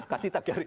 kasih tagar itu